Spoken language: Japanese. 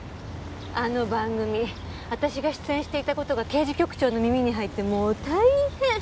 あの番組私が出演していた事が刑事局長の耳に入ってもう大変！